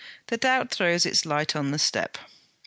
'The doubt throws its light on the step!'